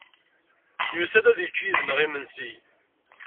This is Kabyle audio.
Yusa-d ad yečč yid-neɣ imensi.